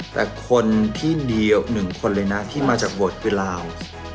แต่คนที่เดียวหนึ่งคนเลยนะที่มาจากบทเป็นลาว